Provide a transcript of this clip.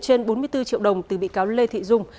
trên bốn mươi bốn triệu đồng từ bị cáo lê thị dung